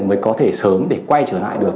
mới có thể sớm để quay trở lại được